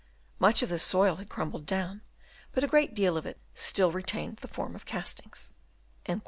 Much of this soil had u crumbled down, but a great deal of it still " retained the form of castings."